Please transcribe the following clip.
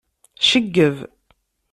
Ceggeb.